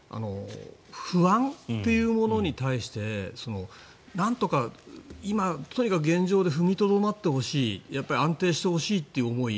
不安というものに対してなんとか今、とにかく現状で踏みとどまってほしい安定してほしいという思い